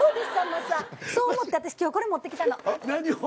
そう思って私今日これ持ってきたの。